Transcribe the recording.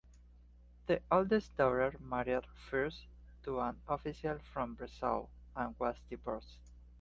The oldest daughter married first to an official from Breslau, and was divorced.